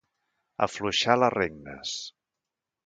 Afluixar les regnes.